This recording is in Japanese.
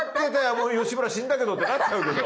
もう吉村死んだけどってなっちゃうけど。